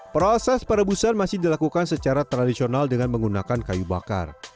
proses perebusan masih dilakukan secara tradisional dengan menggunakan kayu bakar